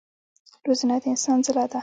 روزنه د انسان ځلا ده.